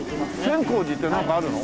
千光寺ってなんかあるの？